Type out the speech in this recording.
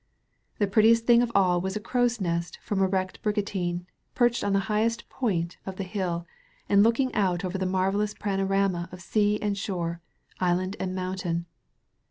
The prettiest thing of all was a crow's nest from a wrecked brigantine, perched on the highest point of the hiU, and looking out over the marvellous panorama of sea and shore, island and mountain.